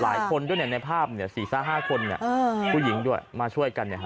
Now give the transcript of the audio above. หลายคนโดยในภาพเนี่ย๔๕คนคุณผู้หญิงมาช่วยกัน